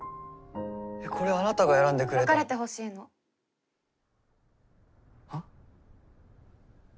えっこれあなたが選んでく別れてほしいのはあ？